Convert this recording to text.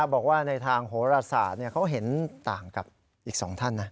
บอกว่าในทางโหรศาสตร์เขาเห็นต่างกับอีก๒ท่านนะ